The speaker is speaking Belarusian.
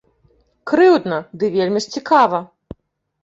Крыўдна, ды вельмі ж цікава.